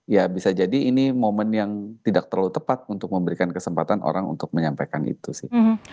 ya bisa jadi ini momen yang tidak terlalu tepat untuk memberikan kesempatan orang untuk menyampaikan itu sih